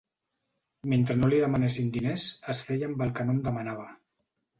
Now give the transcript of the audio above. Mentre no li demanessin diners, es feia amb el que no en demanava